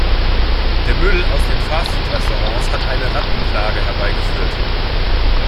Der Müll aus den Fast-Food-Restaurants hat eine Rattenplage herbeigeführt.